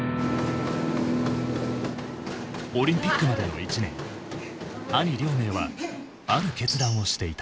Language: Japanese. オリンピックまでの１年兄亮明はある決断をしていた。